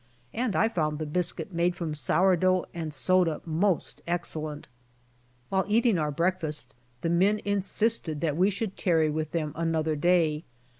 And I found the biscuit made from sour dough and soda most excellent. While eating our breakfast the men insisted that we should tarry with them another day.